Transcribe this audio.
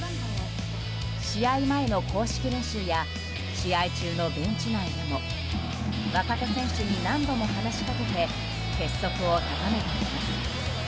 試合前の公式練習や試合中のベンチ内でも若手選手に何度も話しかけて結束を高めていきます。